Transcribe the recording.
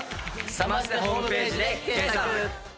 サマステホームページで検索！